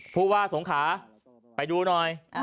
ผู้ว่าโสงขาถูกรู้นะครับ